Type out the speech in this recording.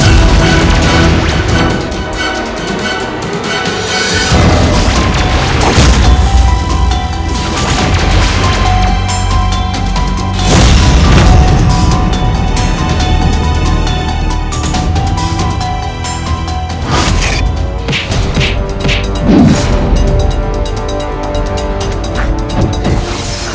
seperti itu seperti itu